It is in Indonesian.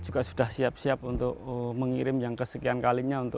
jawa ini tetap bohong sampai menghadapkan